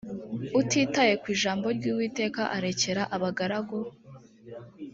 utitaye ku ijambo ry uwiteka arekera abagaragu